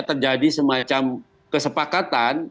terjadi semacam kesepakatan